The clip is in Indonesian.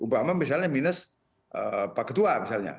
umpama misalnya minus pak ketua misalnya